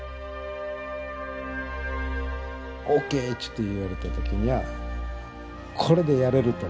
ＯＫって言われた時にはこれでやれると。